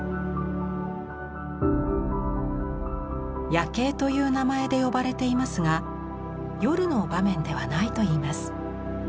「夜警」という名前で呼ばれていますが夜の場面ではないといいます。